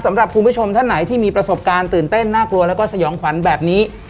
สำหรับคุณผู้ชมท่านไหนที่มีประสบการณ์ตื่นเต้นน่ากลัวแล้วก็สยองขวัญแบบนี้